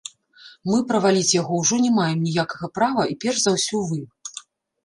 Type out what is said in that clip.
Мы праваліць яго ўжо не маем ніякага права і перш за ўсё вы.